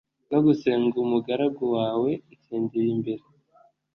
no gusenga umugaragu wawe nsengeye imbere